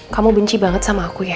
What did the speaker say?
kamu benci banget sama aku ya